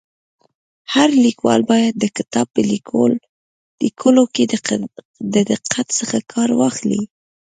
هر لیکوال باید د کتاب په ليکلو کي د دقت څخه کار واخلي.